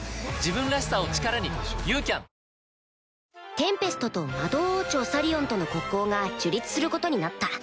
テンペストと魔導王朝サリオンとの国交が樹立することになった